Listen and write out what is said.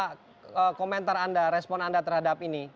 apa komentar anda respon anda terhadap ini